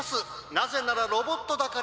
なぜならロボットだから。